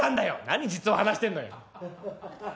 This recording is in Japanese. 「何実話話してんのよ」。